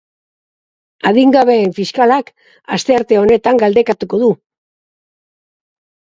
Adingabeen fiskalak astearte honetan galdekatuko du.